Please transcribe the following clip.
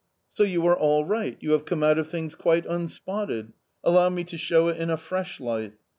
"So you are all right? You have come out of things quite unspotted. Allow me to show it in a fresh light."